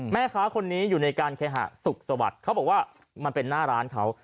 แม่ค้าคนนี้อยู่ในการเคหะสุขสวัสดิ์เขาบอกว่ามันเป็นหน้าร้านเขา